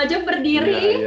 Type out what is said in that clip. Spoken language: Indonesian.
lima jam berdiri